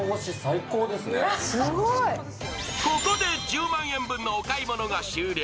ここで１０万円分のお買い物が終了。